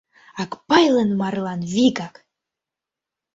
Акпайлан марлан вигак!».